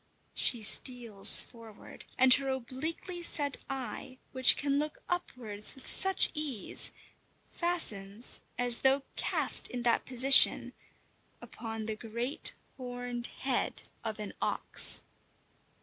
She steals forward, and her obliquely set eye, which can look upwards with such ease, fastens, as though cast in that position, upon the great horned head of an ox.